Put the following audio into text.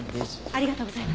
ありがとうございます。